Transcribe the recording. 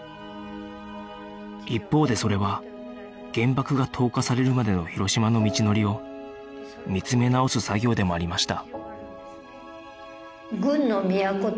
一方でそれは原爆が投下されるまでの広島の道のりを見つめ直す作業でもありました